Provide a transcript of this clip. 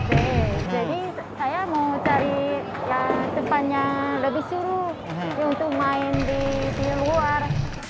jadi saya mau cari tempat yang lebih suruh untuk main di luar